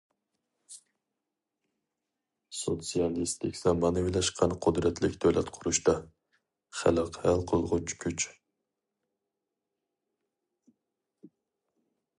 سوتسىيالىستىك زامانىۋىلاشقان قۇدرەتلىك دۆلەت قۇرۇشتا، خەلق ھەل قىلغۇچ كۈچ.